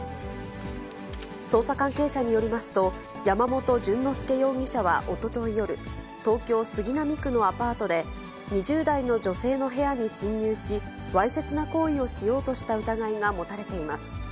捜査関係者によりますと、山本潤之介容疑者はおととい夜、東京・杉並区のアパートで、２０代の女性の部屋に侵入し、わいせつな行為をしようとした疑いが持たれています。